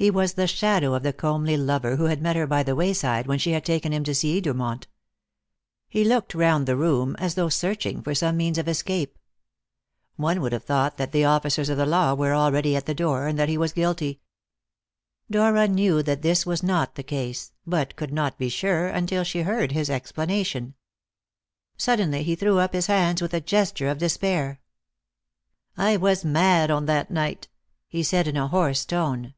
He was the shadow of the comely lover who had met her by the wayside when she had taken him to see Edermont. He looked round the room, as though searching for some means of escape. One would have thought that the officers of the law were already at the door, and that he was guilty. Dora knew that this was not the case, but could not be sure until she heard his explanation. Suddenly he threw up his hands with a gesture of despair. "I was mad on that night," he said in a hoarse tone.